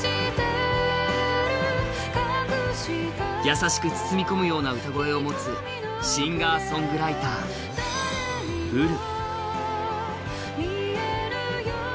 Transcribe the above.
優しく包み込むような歌声を持つシンガーソングライター、Ｕｒｕ。